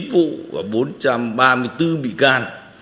bốn trăm chín mươi chín vụ và bốn trăm ba mươi bốn bị can